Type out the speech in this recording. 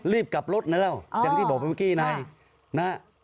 รีบกลับรถนะแล้วอย่างที่บอกไปเมื่อกี้ในนะฮะ